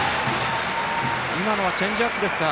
今のはチェンジアップですか。